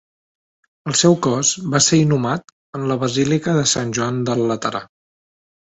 El seu cos va ser inhumat en la Basílica de Sant Joan del Laterà.